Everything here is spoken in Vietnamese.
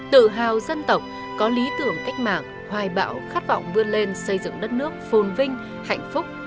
tự hào dân tộc có lý tưởng cách mạng hoài bão khát vọng vươn lên xây dựng đất nước phồn vinh hạnh phúc